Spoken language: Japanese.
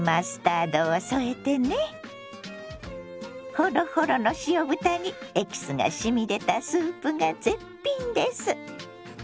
ほろほろの塩豚にエキスがしみ出たスープが絶品です。